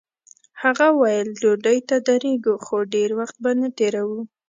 هغه ویل ډوډۍ ته درېږو خو ډېر وخت به نه تېروو.